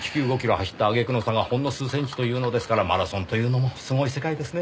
走ったあげくの差がほんの数センチというのですからマラソンというのもすごい世界ですね。